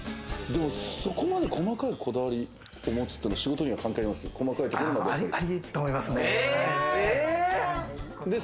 そこまで細かいこだわりを持つっていうのは仕事には関係あります？